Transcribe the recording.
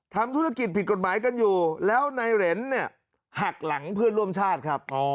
ทำธุรกิจผิดกฎหมายกันอยู่แล้วในเหรนเนี่ยหักหลังเพื่อนร่วมชาติครับ